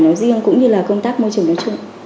nói riêng cũng như công tác môi trường đối chung